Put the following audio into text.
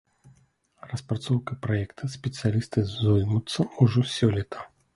Распрацоўкай праекта спецыялісты зоймуцца ўжо сёлета.